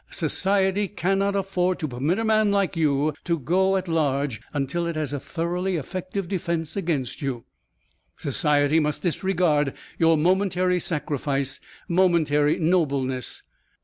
Society cannot afford to permit a man like you to go at large until it has a thoroughly effective defence against you. Society must disregard your momentary sacrifice, momentary nobleness.